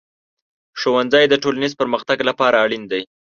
ښوونځی د ټولنیز پرمختګ لپاره اړین دی.